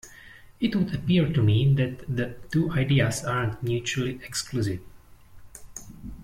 It would appear to me that the two ideas aren't mutually exclusive.